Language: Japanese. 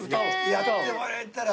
やってもらえたら。